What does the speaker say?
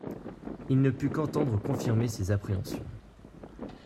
Il ne put qu'entendre confirmer ses appréhensions.